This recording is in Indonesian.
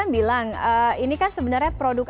bilang ini kan sebenarnya produk